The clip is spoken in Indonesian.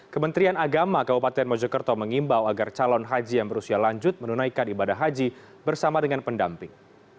kementerian agama kabupaten mojokerto mengimbau agar calon haji yang berusia lanjut menunaikan ibadah haji bersama dengan pendamping